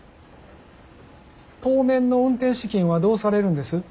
当面の運転資金はどうされるんです？